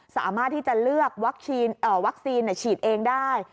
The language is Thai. สามารถที่จะเลือกวัคซีนฉีดเองได้